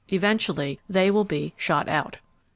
Eventually they will be "shot out."